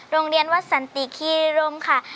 โรงเรียนวัดสันติขี้รมค่ะ